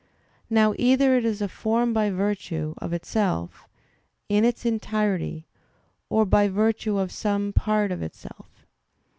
Now, either it is a form by virtue of itself, in its entirety, or by virtue of some part of itself.